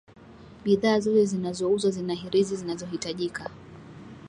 bidhaa zote zinazouzwa zina hirizi zinazohitajika